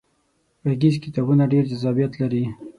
غږیز کتابونه ډیر جذابیت لري.